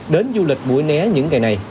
đến du lịch buổi né những ngày này